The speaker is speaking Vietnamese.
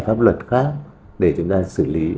pháp luật khác để chúng ta xử lý